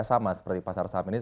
sama seperti pasar saham ini